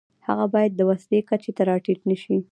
هغه باید د وسیلې کچې ته را ټیټ نشي.